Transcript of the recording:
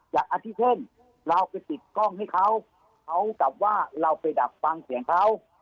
อย่างที่เช่นเราไปติดกล้องให้เขาเขากลับว่าเราไปดักฟังเสียงเขา